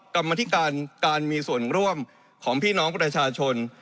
กรรมธิการการมีส่วนร่วมของพี่น้องประชาชน